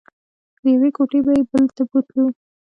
له یوې کوټې به یې بلې ته بوتلو.